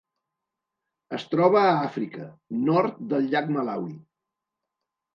Es troba a Àfrica: nord del llac Malawi.